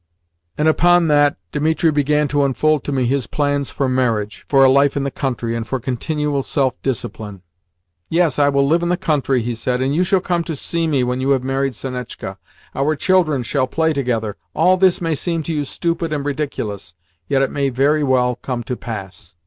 And upon that Dimitri began to unfold to me his plans for marriage, for a life in the country, and for continual self discipline. "Yes, I will live in the country," he said, "and you shall come to see me when you have married Sonetchka. Our children shall play together. All this may seem to you stupid and ridiculous, yet it may very well come to pass."